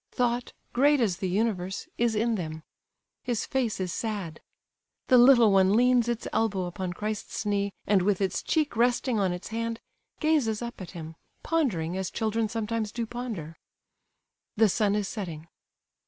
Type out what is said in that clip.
Thought, great as the Universe, is in them—His face is sad. The little one leans its elbow upon Christ's knee, and with its cheek resting on its hand, gazes up at Him, pondering as children sometimes do ponder. The sun is setting.